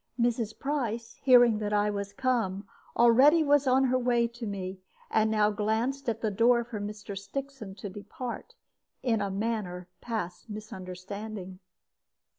Mrs. Price, hearing that I was come, already was on her way to me, and now glanced at the door for Mr. Stixon to depart, in a manner past misunderstanding.